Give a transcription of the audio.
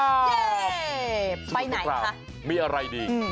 ไปไหนคะสมุทรสงครามมีอะไรดี